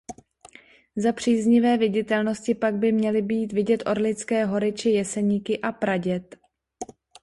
Za příznivé viditelnosti pak by měly být vidět Orlické hory či Jeseníky a Praděd.